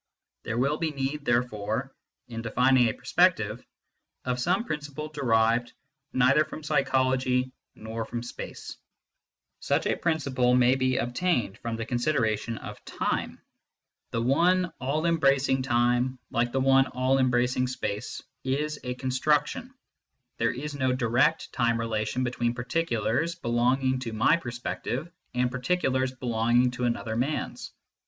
There will be need, therefore, in defining a perspective, of some principle derived neither from psychology nor from space. Such a principle may be obtained from the considera CONSTITUENTS OF MATTER 141 tion of time. The one all embracing time, like the one all embracing space, is a construction ; there is no direct time relation between particulars belonging to my per spective and particulars belonging to another man s.